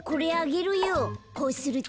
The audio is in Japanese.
こうすると。